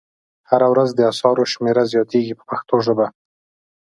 هره ورځ د اثارو شمېره زیاتیږي په پښتو ژبه.